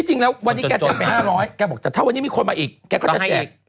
จริงแล้ววันนี้แกแจกไป๕๐๐แกบอกแต่ถ้าวันนี้มีคนมาอีกแกก็จะแจก